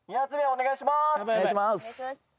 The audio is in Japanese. お願いします。